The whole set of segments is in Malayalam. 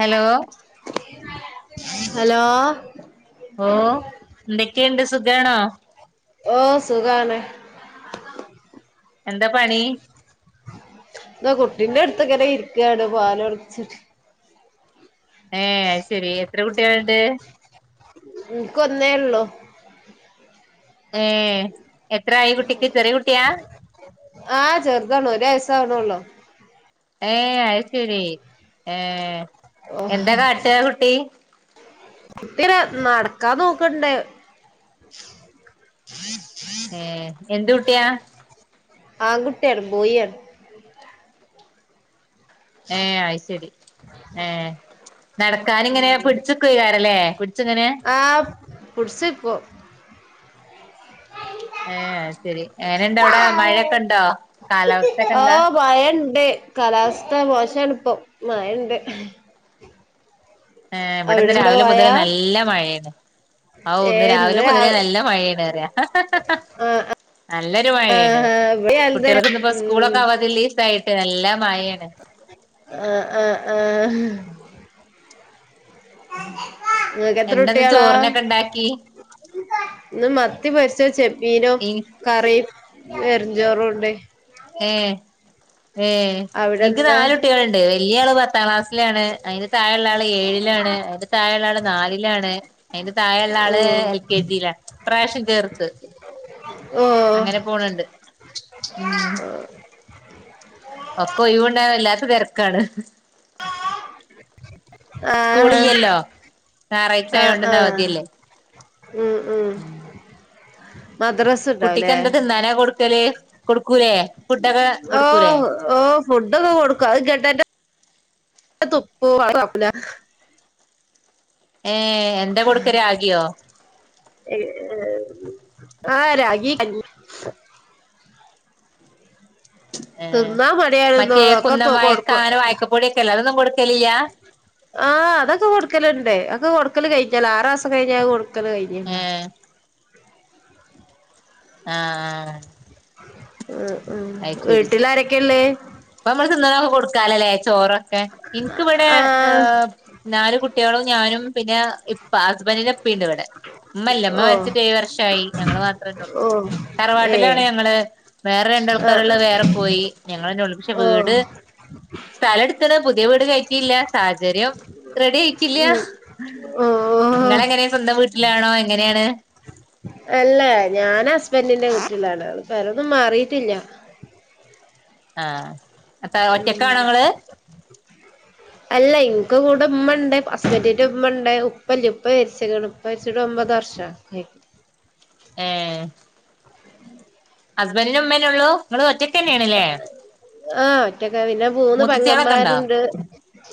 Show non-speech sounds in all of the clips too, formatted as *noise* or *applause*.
ഹലോ ഉ ഓ എന്തൊക്കെയുണ്ട് സുഖണോ ഓ സുഖാനെ എന്താ പണി എന്നാ കുട്ടീന്റെ അടുത്തൊക്കെന ഇരിക്കയാണ് പോാന ഒടിച്ചിട്ട് ഏ ശെരി എത്ര കുട്ടികള ഉണ്ട് ഇനക്ക്ൊന്നേള്ളോ ഏ എത്ര ആായി കുട്ടിക്ക് ചെറിയ കുട്ടിയാ ആഹ് ചെറുതാണോ ഒയസാവണള്ളോ ഏ അത് ശരി ഏർ ഓ എന്താ കാട്ടുക കുട്ടി കുട്ടീന നടക്കാ നോക്കണ്ട ഏ എന്ത കട്ടിയാ ആങ്ങുട്ടർ ബോയിർ ഏ ആയി ശരി ഏ നടക്കാനിങ്ങനെ പിടിച്ചക്കയി കാരല്ലേ പിടിച്ചിങ്ങനെ പുൂടസിിക്ക ഏ ശരി അങ്ങനെ എന്താ അവിടെ മഴയൊക്കെ ഇണ്ടോ കാലാവസ്ഥ ഒക്കെ ഓ എന്താ മഴണ്ട് കാലാവസ്ഥ മോശണ ഇപ്പൊ മഴുണ്ട് ഏ ഇവിടെന്ന് രാവിലെ മഴ മുതൽ നല്ല മഴയാണ് ആ ഒന്ന് ഏഹ് ഇന്ന് രാവിലെ മുതലേ രാവി നല്ല മഴണറ ആഹ് നല്ലൊരു മഴയാണ് ആഹ് ഇവിടെ എന്ത കുട്ടികൾക്ക ഇന്ന ഇപ്പോ ഉം സ്കൂളൊക്കെ ആവാതി ലീഫായിട്ട് നല്ല മഴയാണ് ആ ആ ആ നിനക്ക് എന്താന്ന് എത്രൊട്ടികളാ ചോറിനൊക്കെ ഉണ്ടാക്കി ഇന്ന് മത്തി പരി പച്ച ചെപ്പീനോ എനിക്ക് കറ എെരഞ്ചോറും ഉണ്ട് ഏ ഏഹ അവിടെ എനിക്ക് എന്താ നാലല് കുട്ടികളുണ്ട് വലിയ ആള പത്താം ക്ലാസ് ിലാണ് അതിന്റെ തായള്ള ആ ഏഴിലാണ് അതിന്റെ തായുള്ളള്ള ആള് നാലിലാണ് അതിന്റെ താായള്ള ആള് ഉം എൽ കെ ജില്ല പ്രാവശ്യം കേർത്ത് ഓ അങ്ങനെ പോണണ്ട് ഉ ഒക്ക ഒയുണ്ട എല്ലാക്കും വതിരക്കാണ് ആ ആഹ സ്കൂളില്ലല്ലോ ഞായറാഴ്ച ആ ആയോണ്ട് ആഹ ഇന്ന് ആഹ അവധിയല്ലേ ഉം ഉ മദ്രാസ് കുട്ടിക്ക് ഉണ്ടാവുംലേ എന്താ തിന്നാനാ കൊടുക്കല് കൊടുക്കൂലേ ഫുഡൊക്കെ ഓ കൊടുക്കൂലേ ഓ ഫുഡൊക്കെ കൊടുക്കും അ കേെട്ടായിട്ട തൊപ്പന ഏർ എന്റെ കൊടുക്ക രാഗിയോ ആഹ് രാഗ ഏ തിന്നാ മറ്റേ മടിയാലന്നള്ളു കുന്നം ഒക്കെ വായക്ക കൊടുക്കും അങ്ങനെ വായക്കപ്പൊടിയൊക്കെല്ലേ അതൊന്നും കൊടുക്കലില്ല ആഹ് അതൊക്കെ കൊടുക്കലുണ്ടേ ക്ക് കൊടുക്കല് കഴിഞ്ഞല്ലോ ആറ് മാസം കഴിഞ്ഞ അത് കൊടുക്കല് കഴിഞ് ഏ ആഹ ആഹ ഉം ഉം അയ് ശരി വീട്ടിലാരൊക്കെയുള്ളേ ഇപ്പ നമ്മള് തിന്ന് ണൊ - കൊടുക്കാലല്ലേ ചോറൊക്കെ ഇൻക്കിവിടെ ആഹ് നാല് കുട്ടികളും ഞാനും പിന്നെ ഇപ്പ ഹസ്ബന്റിന്റെ ഇപ്പണ്ട് ഇവിടെ. ഉമ്മല്ല മ്മ ഓ മരിച്ചിട്ട് ഏഴ് വർഷായി ഞങ്ങള് മാത്രേ ള്ളൂ ഓ ഏ തറവാട്ടിലാണ് ഞങ്ങള്. വേറെ രണ്ടാൾ- ആഹ് ക്കാരുള്ളത് വേറെ പോയി ഞങ്ങളന്നെ ഉള്ളൂ പക്ഷെ ഓ വീട് ഉം സ്ഥലം എടുത്ത്ണ് പുതിയ വീട് കയ റ്റില്ല സാഹചര്യം റെഡി ആയിട്ടില്ല ഓ നിങ്ങളെങ്ങനെ സ്വന്തം വീട്ടിലാണോ എങ്ങനെയാണ് അല്ല ഞാൻ ഹസ്ബൻറിന്റെ വീട്ടിലാണ് അത് പെരൊന്നും മാറീട്ടില്ല ആഹ അപ്പോ ഒറ്റക്കാണോ ങ്ങള് അല്ല ഇനിക്ക് കൂടെ ഉമ്മ ഉണ്ട് ഹുസ്ബൻഡ്ന്റെ ഉമ്മ ഉണ്ട് ഉപ്പല്ല ഉപ്പ മരിച്ചിക്ക്ണ്. ഉപ്പ മരിച്ചിട്ട് ഒൻപതു വ- ർഷായി ഉം *inaudible* ഹസ്ബൻറിനും ഉമ്മന്നേ ഉള്ളൂ നിങ്ങള് ഒറ്റക്ക് തന്നേണ് ല്ലേ ആഹ ഒറ്റക്ക പിന്നെ മൂന്ന് ഉണ്ടോ പെങ്ങമ്മമാരുണ്ട്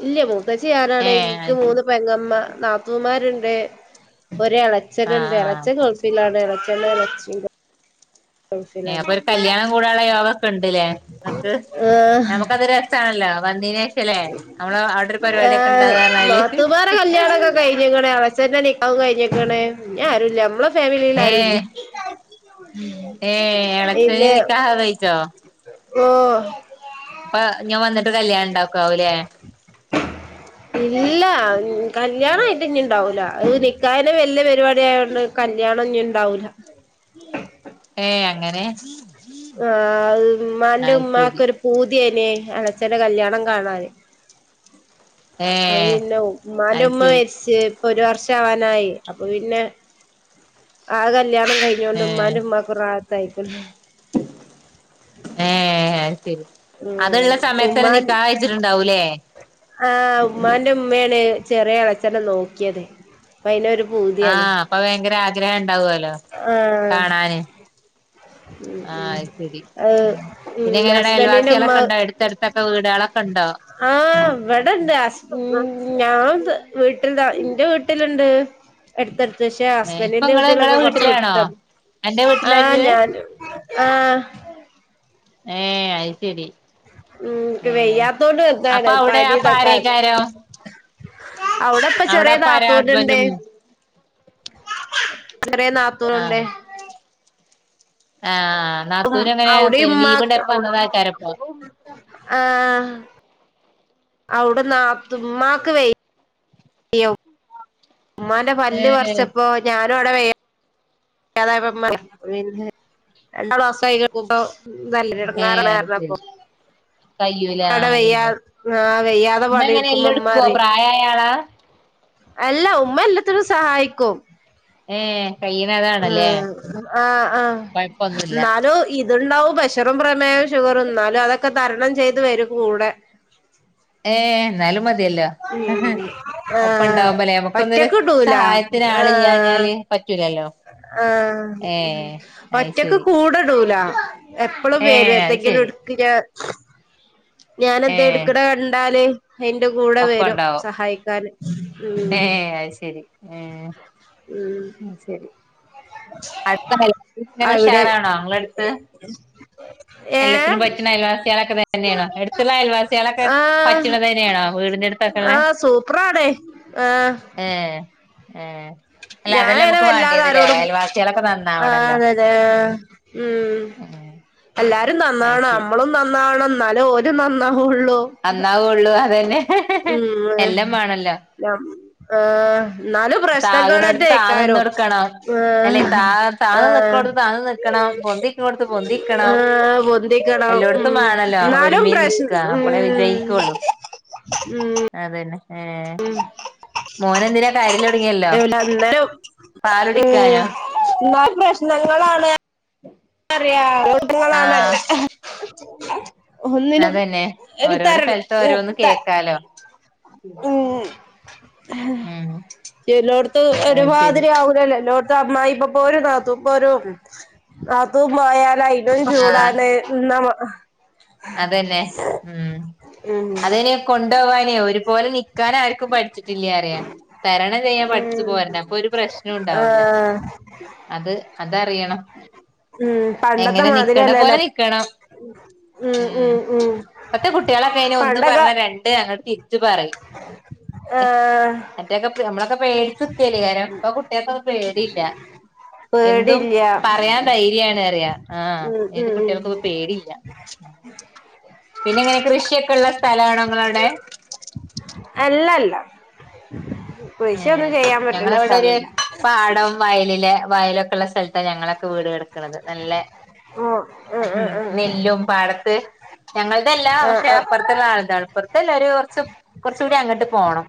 ഇല്യ മൂത്തച്ചി ഞാനാണ്. ഏഹ് ഇൻക്ക് അത് ശരി മൂന്ന് പെങ്ങമ്മ- നാത്തൂമാരുണ്ട് ഒരു ആഹ് ഇളച്ചനുണ്ട് ആഹ് ഇളച്ചൻ ഗോൾഫിലാണ് ഇളച്ചൻ *unintelligible* ഏഹ് ന്യൂസിലാൻഡ് അപ്പൊ ഒരു കല്യാണം കൂടാനുള്ള യോഗൊക്കെ ഉണ്ട്ല്ലേ നിങ്ങക്ക് ഏ നമുക്കത് രസാണല്ലോ വന്നീന് ശേഷല്ലേ നമ്മള് അവിടെ ഒരു ആ പരിപാടിയൊക്കെ ഉണ്ടാകാ പറഞ്ഞാല് നാത്തുമാരെ കല്യാണംക്കെ കഴിഞ്ഞുക്ക്ണ് ഇളച്ചന്റെ നിക്കാഹും കഴിഞ്ഞിക്കണ്. ഇനി ആരും ല്യ. ഞമ്മളെ ഫാമിലില് ആരും ഏഹ് ല്യ ഏഹ് എളച്ചന് പിന്നെ നിക്കാഹ് കഴിച്ചോ ഇപ്പൊ അപ്പൊ ഞൻ വന്നിട്ട് കല്യാണം ഉണ്ടാക്കാവൂലേ ഇല്ല കല്യാണ ആയിട്ട് ഇനി ഉണ്ടാവൂല അത് നിക്കാഹന്നെ വല്ലിയ പരിപാടിയായോണ്ട് കല- കല്യാണം ഞ്ഞിണ്ടാവൂല ഏയ് അങ്ങനെ ആ അത് അതിമ്മാന്റെമ്മാക്ക് ശരി ഒരു പൂതിയായി- നെ ഇളച്ചന്റെ കല്യാണം കാണാന് ഏ അത് പിന്നെ മ്മാന്റെ അത് ഉമ്മ ശരി രിച്ച് ഒരു വർഷവാനായി അപ്പൊ പിന്നെ ആകെ കല്യാണം കഴിഞ്ഞോണ്ട് ഏ ഉമ്മാന്റെ ഉമ്മക്കൊരു റാഹത്തായിക്ക്ണ് ഏ അത് ശരി ഉം അതുള്ള സമയത്തന്നെ നിക്കാഹ് കഴി ച്ചിട്ടുണ്ടാവൂല്ലേ ആ ഉമ്മാന്റെ ഉമ്മയാണ് ചെറിയ ഇളച്ചനെ നോക്കിയത് അപ്പ അയിനൊരു ആ പൂതിയാണ് അപ്പൊ ഭയങ്കര ആഗ്രഹം ഇണ്ടാവല്ലോ ആഹ് കാണാന് ആ ഉം അത് ശരി അഹ് ഉം പിന്നെ എങ്ങനെ ഹസ്ബന്റിന്റെ ഉമ്മ അയൽവാസികളൊക്കെ ഉണ്ടോ എടുത്തടുത്തൊക്കെ വീടുകളൊക്കെ ഉണ്ടോ ആഹ് ഇവിടെണ്ട് ഹസ് ഞാൻ വീട്ടിൽത എന്റെ വീട്ടിൽ ണ്ട് എടുത്ത്ടു പക്ഷെ ഏ ഇപ്പൊ ഹസ്ബൻറിന്റെ നിങ്ങള് നിങ്ങളെ വീട്ടിലൊക്കെ കുറച്ച് വീട്ടിലാണോ വിട്ടാ. അന്റെ ആ വീട്ടിലാ ഇജ്ജ് ഞാൻ ആ ഏ അയി ശരി ഉം ഇൻക്ക് ഏ വെയ്യാത്തോണ്ട് ഇതാണ് അപ്പൊ അവിടെ പനി അപ്പാരയ്ക്കാരം അവിടെ ഇപ്പം ചെറിയ നാത്തൂന്ണ്ട് ഹസ്ബൻഡും ചെറിയ നാത്തൂന്ണ്ട് ആ ആ നാത്തുനെങ്ങനെ അവിടെയും പിന്നെ ലീവ് ഉമ്മാക്ക് ഇണ്ടായപ്പോ വന്നതാക്കാരപ്പൊ ഔടെ നാത്തു മ്മാക്ക് വയ്യും ഉമ്മാന്റെ പല്ല് ഏഹ് പറച്ചപ്പോ ഞാനും അവിടെ വയാ- തായപ്പൊ മ്മ പിന്നെ രണ്ടാളും അസുഖായി കിടക്കുമ്പോ നല്ല രടങ്ങാറാണ് കാരണം അപ്പൊ കയ്യൂല്ല ആ അതന്നെ ആ വയ്യാതെ ഇമ്മ എങ്ങനെ പണിയെടുക്കുമ്പോ എല്ലു ഉമ്മ എടുക്കോ പറയും പ്രായഅയാളാ അല്ല ഉമ്മ എല്ലാത്തിനും സഹായിക്കും ഏ ആ ആ ആ കൊഴപ്പൊന്നുല്ല എന്നാലും ഇതുണ്ടാവും പ്രേഷറും പ്രേമേഹം ഷുഗറും എന്നാലും അതൊക്കെ തരണം ചെയ്ത് വരൂ കൂടെ ഏഹ് എന്നാലും മതിയല്ലോ ഉം ഒപ്പം ആഹ് ഉണ്ടാവ്ബോലേ നമുക്കൊന്നരു ഒറ്റക്ക് കിട്ടൂല സഹായത്തിന ആ ചെയ്യഞ്ഞാല് പറ്റൂലല്ലോ അഹ് ഏഹ് അത് ഒറ്റക്ക് ശരി കൂടിഇടുല എപ്പഴും വരു ഏഹ് അത് എന്തെങ്കിലും ശരി എടുക്ക ഞ ഞാൻ എന്തെ ഏഹ് എടുക്കണേ കണ്ടാല് അയിന്റെ കൂടെ വരും സഹായിക്കാന് ഏ ഉം അത് ശരി ഉം ഉം അത് ശരി അടുത്തല്ല അവിടെ ഉഷാറാണോ ഇങ്ങളടുത്ത് ഏഹ് എല്ലാത്തിനും പറ്റണ അയൽവാസികളൊക്കെ തന്നെയാണോ എടുത്തുള്ള അയൽവാസികളൊക്കെ ആഹ് പറ്റണത് തന്നെയാണോ വീടി *unintelligible* പൂപ്രാടെ ആഹ് ഏ അല്ല അതെല്ലാം ഞാനങ്ങനെ നമുക്ക് വല്ലാതെ വേണ്ടിയതില്ലേ ആരോടും അയൽവാസികളൊക്കെ ആഹ് നന്നാവണല്ലോ അതെതെ ഉം ഉം എല്ലാരും അത് നന്നാണം ശരി മ്മളും നന്നാണം നല്ല ഓരും നന്നാണം ഉള്ളൂ നന്നാവുള്ളൂ അതന്നെ ഹ്മ്മ് എല്ലാം വേണല്ലോ തെ ആ എന്നാലും താകണോടത്ത് താന്ന് നിന്ന് പ്രശ്നങ്ങളെന്തേക്കാരും കൊടുക്കണം അല്ലെ അഹ് താ ആ താന്ന് നിക്കണോടത്ത് താന്ന് നിക്കണം പൊന്തിക്കണോടത്ത് ആ പൊന്തിക്കണം പൊന്തികണം എല്ലോടത്തും ഹ്മ്മ് വേണല്ലോ എന്നാലും ഒരുമേ പ്രശ് നിക്ക അപ്പളേ വിജയിക്കുള്ളൂ ഹ്മ്മ് ഏ മോന എന്തിനാ കാര്യ നല്ലരു പാലുടിക്കാനോ ഹ്മ്മ് എന്നാലും പ്രശ്നങ്ങളാണ് അറിയ കുട്ടങ്ങളണല്ല ആഹ് ഒന്നിനും അതന്നെ ഒരു ഓരോരോ തരണം ത ഉം ഹ്മ്മ് ചേലോടെത് ഒരുമാതിരി ആവലല്ലോ എല്ലോ *unintelligible* ഇപ്പൊ പോരു അത് പോരും അത് മായാ അയിനൊരു ആഹ് ചൂടാല് ഇന്ന അതന്നെ ഹ്മ്മ് ഉം അതനെ കൊണ്ടപോവാനേ ഒരുപോലെ നിക്കാനാര് കു പഠിച്ചിട്ടില്ല അറിയ തരണം ചെയ്യാൻ പഠിച്ചു ഉം പോര അപ്പൊ ഒരു പ്രശ്നം ഉണ്ടാവൂല ആഹ് അത് അതറിയണം ഉം പണ്ടത്തെ എങ്ങനെ നിക്കണ്ട പോലെ മാതിരിയല്ലല്ലോ നിക്കണം ഉം ഹ്മ്മ് ഉം ഉം ഇപ്പത്തെ കുട്ടികളൊക്കെ ഒന്ന് പണ്ടൊക്കെ പറഞ്ഞ രണ്ട് അങ്ങോട്ട തിരിച്ചു പറയും ആഹ് മറ്റൊക്കെ നമ്മളൊക്കെ പേടിച്നിക്കലെയ്യ ഇപ്പൊ കുട്ടികക്കൊ പേടിയില്ല എന്തും പേടില്ല പറയാൻ ധൈര്യാണ്റയ ആ ഉം ഏത് ഉം ഉം കുട്ടികൾക്ക പേടിയില്ല പിന്നെ ഇങ്ങന കൃഷിയൊക്കെ ഉള്ള സ്ഥലണ നിങ്ങളഅവിടെ ഇല്ലല്ല ഏഹ് ഞങ്ങളവിടെ ഒരു പാടം വയലിലെ വയലൊക്കെ ള്ള സ്ഥലത്ത ഞങ്ങളൊക്കെ വീട് കടക്കണുന്നത് നല്ലേ ആഹ് ആഹ് ഹ്മ്മ് ആഹ് നെല്ലും പാടത്ത് ഞങ്ങളതല്ല ആഹ് പക്ഷെ അപ്പുറത്തുള്ള അള്ളാതാണ് ആപ്പുറത്തെല്ല ഒരു കുറച്ച് കുറച്ചൂടി അങ്ങോട്ട് പോണം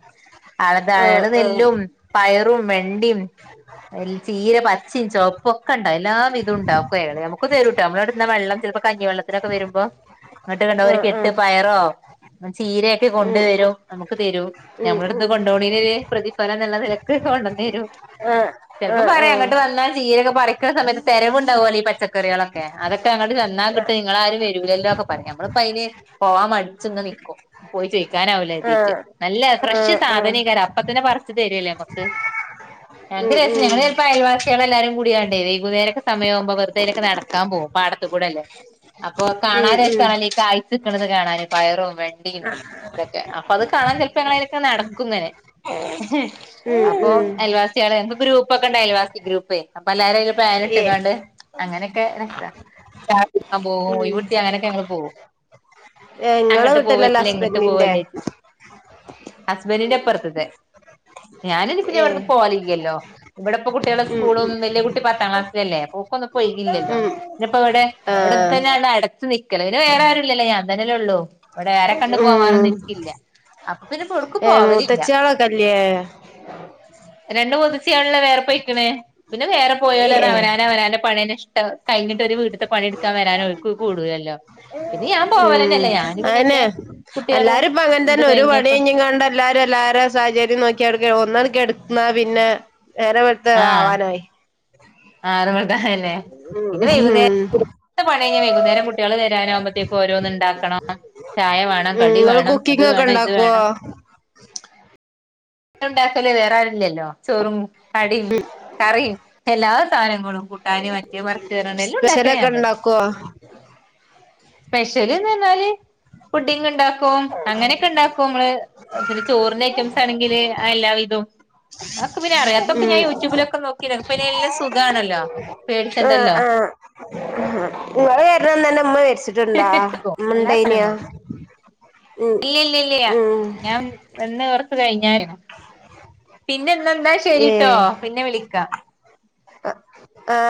അളത് അയാൾ ആഹ് ആഹ് ആഹ് നെല്ലും പയറും വെണ്ടിയും ചീര പച്ചയും ചൊപ്പ ഒക്കെ ഉണ്ടാവും എല്ലാം വിതോഉണ്ടാകും അയാൾ നമ്മുക്ക് തെരു നമ്മളഇടുന്ന വെള്ളം ചിലപ്പോ കഞ്ഞിവ വെള്ളത്തിനൊക്കെ വരുമ്പോ ഇങ്ങോട്ട് കണ്ട ആഹ് ഒരു ആഹ് കെട്ട് ആഹ് പയറോ ചീരയൊക്കെ കൊണ്ട് ഉം വരും ഉം നമുക്ക് തരൂ ഉം ഞമ്മളടുന്ന് ത് ഉം കൊണ്ടോണേന് പ്രതിഫലം ന്ന്ല്ല നെല ക്കെ കൊണ്ടെന്നെരും ആഹ് ചെൽപ്പോ ആഹ് പറയും അങ്ങട്ട് വന്നാ ചീരൊക്കെ പറിക്കുന്ന സമയത്ത് തെരവുണ്ടാവോലോ ഈ പച്ചക്കറ്യേളൊക്കെ അതൊക്കെ അങ്ങട് ചെന്നാ ആഹ് കിട്ടും ഇങ്ങളാരാരും വരൂലല്ലോന്നൊക്കെ പറയും നമ്മളിപ്പൊയ് ന് പോവാൻ മടിച്ചങ്ങനെനിക്കും. പോയി ചോയ്ക്കാനാവൂലര്തീട്ട്. ആഹ് നല്ല ഫ്രഷ് ആഹ് ആഹ് സാധനേക്കാരം അപ്പ തന്നെ പറിച്ച് തരല്ലേ നമ്മക്ക് ഉം ഞങ്ങക്ക് രസേന്നു ഉം ഞങ്ങള് ചെലപ്പോ അയൽവാസികള് എല്ലാരും കൂടികാണ്ട് വൈകുന്നേരൊക്കെ സമയാകുമ്പോ അയ്ലൊക്കെ നടക്കും. ക്കാൻ പോകും പാടത്ത്കൂടെ അല്ലെ അപ്പൊ കാണാൻ ഉം രസാണല്ലോ ഈ കായ്‌ച്ച്ക്ക്ണത് കാണാന് പയറും വെണ്ടിം ഇതൊക്കെ അപ്പൊ അത് കാണാൻ ചെലപ്പോ അയ്ലൊക്കെ നടക്കുങ്ങനെ. ഉം അപ്പൊ ഉം ഉം അയൽവാസ്യേള് എന്ത ഗ്രൂപ്പൊക്കെ ഇണ്ടായിലെ അയൽവാസി ഗ്രൂപ്പ് അപ്പൊ എല്ലാരും അയ്ല് പ്ലാന് ഏ ട്ട്ങ്ങാണ്ട് അങ്ങനെ ഒക്കെ രസാ. ചായ കുടിക്കാൻ പോകും ഉം ഓയ്‌വ്ട്ട്യാ അങ്ങനെയൊക്കെ ഞങ്ങള് പോവും. ഇങ്ങളെ അങ്ങട്ട് വീട്ടിലല്ല പോവല്ലേ ഇങ്ങട്ട് ഹസ്ബൻഡിന്റെ പോവല്ലേ ചോയ്ച്ച് ഹസ്ബൻറിന്റെപ്പറത്ത്ത്തെ ഞാനിന്നി പിന്നെ ഏ ഇവിട്ന്ന് പോവലില്ലല്ലോ ഇവിടെപ്പോ കുട്ട്യേളെ ഉം സ്കൂളും ഉം വല്ല്യേ കുട്ടി പത്താം ക്ലാസ്സിലല്ലേ അപ്പൊ ഓക്കൊന്നും ഇപ്പൊ ഒയ്‌വില്ലലോ ഉം ഇങ്ങട്ട് ഇവടെ ആഹ് ഇവടെതന്നെയെല്ലാം അടച്ചുവെ ക്കല് പിന്നെ വേറെ ആരുല്ലല്ലോ ഞാൻ തന്നെല്ലേ ഉള്ളൂ ഇവിടെ ആരെ കണ്ട് ഉം പോവാനൊന്നും ഇനിക്കില്ല അപ്പൊ പിന്നെ ഇപ്പൊ എവ്‌ട്ക്കും ഏ പോവലില്ല മൂത്തച്ച്യാളൊക്കെല്ലേ രണ്ടു മൂത്തച്യേള്ള്ളത് വേറെ പോയ്ക്ക്ണ് പിന്നെ വേറെ പോയോല് ഏ അവനാനവനാന്റെ പണി അന്വേഷി ട്ട് കഴിഞ്ഞിട്ട് ഒരു വീട്ട്ത്തെ പണിട്ക്കാൻ വരാന് ഓല്ക്ക് കൂടൂലല്ലോ പിന്നെ ഞാൻ പോവലന്നെ അതനെ എല്ലാരും ഇപ്പൊ ഇത് അങ്ങൻതന്നെ ഒരു കഴിഞ്ഞപ്പ പണിഞ്ഞയിഞ്ഞ്ങ്ങാണ്ട് എല്ലാരും എല്ലാരും സാഹചര്യം നോക്കിടക്കാണ് ഒന്നണ് കെട്ന്ന പിന്നെ നേരവെളുത്ത ആവാനായി ആ നേരവെളുത്ത അയന്നെ പിന്നെ ഉം വൈകുന്നേരത്തെ പണികയ്ഞ്ഞ വൈകുന്നേരം കുട്ട്യേള് വരാനാവ്‌മ്പത്തേക്കും ഓരോന്ന് ഇണ്ടാക്കണം ചായ വേണം കടി ഇങ്ങള് വേണം അത് കുക്കിംഗ് ഒക്കെ വേണം ഇത് ഉണ്ടാക്കോ വേണം ഇണ്ടാക്കല് വേറെ ആരുല്ലല്ലോ ചോറും കടിം കറിം എല്ലാ സാനങ്ങ ങ്ങളും കൂട്ടാനും മറ്റേത് മറിചേത്റ ഞ്ഞാണ്ട് എല്ലാം ഉണ്ടാക്കല് സ്പെഷ്യലൊക്കെ ഞാൻ തന്നെ ഉണ്ടാക്കോ സ്പെഷ്യല്ന്ന് പറഞ്ഞാല് പുഡിങ് ഇണ്ടാ ക്കും അങ്ങനൊക്കെ ഇണ്ടാക്കും നമ്മള് പിന്നെ ചോറിന്റെ ഐറ്റംസ് ആണെങ്കില് എല്ലാവിധോം അതൊക്കെ പിന്നെ അറിയാത്തൊക്കെ ഉം ഞാൻ യൂട്യൂബിലൊക്കെ നോക്കിനു ഇപ്പയ്ന് എല്ലാം സുഗാണല്ലോ. ആ ആ ഇങ്ങള് വര്നന്നെന്നെ വച്ചിട്ട്ണ്ടാ എല്ലാ ഇന്ന്ണ്ടൈനോ സാധനങ്ങളും ഇല്ല ഇല്ല ഇല്ല്യ ഞാൻ വന്ന് കൊറച്ച് കഴിഞ്ഞായിരുന്നു പിന്നെന്നന്താ ശരിട്ടോ പിന്നെ വിളിക്കാ ആ ആ